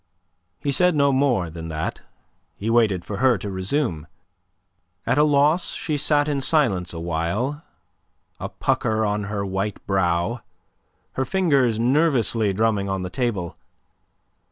He said no more than that. He waited for her to resume. At a loss, she sat in silence awhile, a pucker on her white brow, her fingers nervously drumming on the table.